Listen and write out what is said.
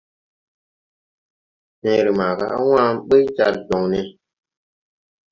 Fẽẽre maaga á wãã ɓuy jar jɔŋ ne.